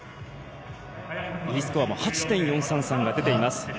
Ｄスコアも８．４３３が出ています。